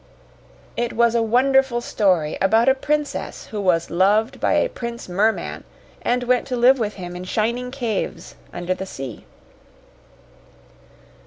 It was a wonderful story about a princess who was loved by a Prince Merman, and went to live with him in shining caves under the sea.